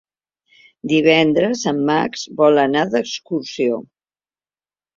Divendres en Max vol anar d'excursió.